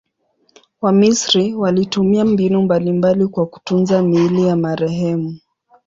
Wamisri walitumia mbinu mbalimbali kwa kutunza miili ya marehemu.